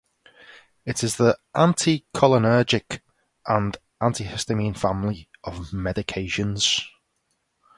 It is in the anticholinergic and antihistamine family of medications.